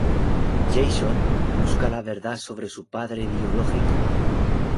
Jason busca la verdad sobre su padre biológico.